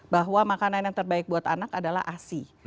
bahwa makanan yang terbaik buat anak adalah asi